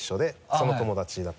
その友達だった。